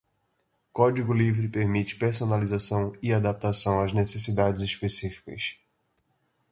Código livre permite personalização e adaptação às necessidades específicas.